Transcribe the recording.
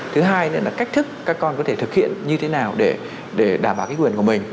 thứ hai nữa là cách thức các con có thể thực hiện như thế nào để đảm bảo cái quyền của mình